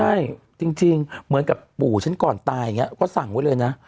ใช่จริงเหมือนกับปู่ฉันก่อนตายอย่างนี้ก็สั่งไว้เลยนะ